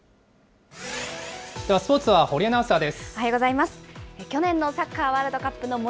では、スポーツは堀アナウンサーです。